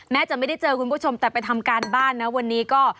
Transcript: จะไม่ได้เจอคุณผู้ชมแต่ไปทำการบ้านนะวันนี้ก็